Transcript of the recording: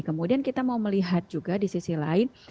kemudian kita mau melihat juga di sisi lain